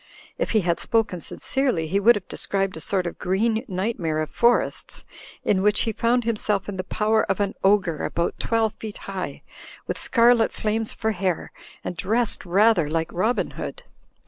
If he had spoken sincerely, he would have described a sort of green nightmare of forests, in which he found himself in the power of an ogre about twelve feet high, with scarlet flames for hair and dressed 200 THE FLYING INN rather like Robin Hood.